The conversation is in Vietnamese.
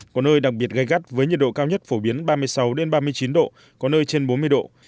có nơi đặc biệt gai gắt với nhiệt độ cao nhất phổ biến ba mươi sáu ba mươi chín độ có nơi trên bốn mươi độ